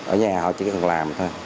ở nhà họ chỉ cần làm thôi